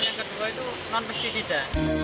yang kedua itu non pesticida